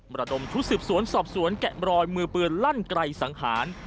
มรดมทุศิษฐ์สวนสอบสวนแกะบรอยมือเปลือนลั่นไกลสังหาร